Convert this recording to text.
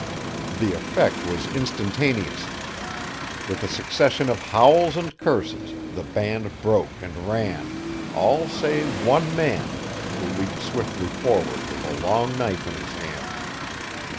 The effect was instantaneous. With a succession of howls and curses the band broke and ran all save one man, who leaped swiftly forward with a long knife in his hand.